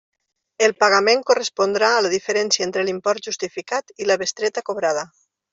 El pagament correspondrà a la diferència entre l'import justificat i la bestreta cobrada.